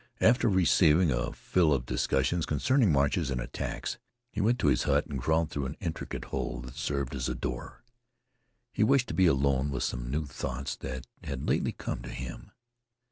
After receiving a fill of discussions concerning marches and attacks, he went to his hut and crawled through an intricate hole that served it as a door. He wished to be alone with some new thoughts that had lately come to him.